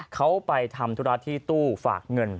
เขาไปทำธุระที่ตู้ฝากเงิน